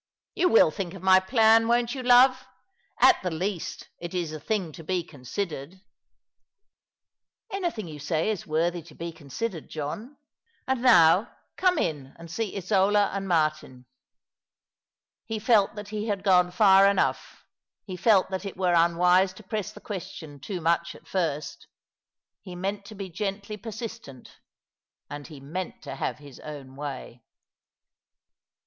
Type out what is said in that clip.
You will think of my plan, won't you, lovo ? At the least, it is a thing to be considered*" " Thou Paradise of Exiles y Italy T 237 "Anything yon say is worthy to be considered, John. And now come in and see Isola and Martin." He felt that he had gone far enough — ho felt that it were unwise to press the question too much at first. He meant to be gently persistent ; and he meant to have his own way.